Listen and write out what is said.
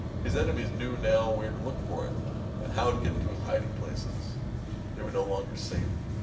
His enemies knew now where to look for him and how to get into his hiding places; they were no longer safe.